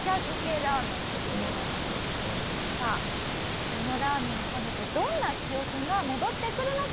さあこのラーメンを食べてどんな記憶が戻ってくるのか？